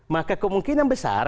maka kemungkinan besar